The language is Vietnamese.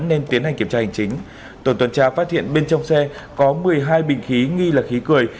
nên tiến hành kiểm tra hành chính tổ tuần tra phát hiện bên trong xe có một mươi hai bình khí nghi là khí cười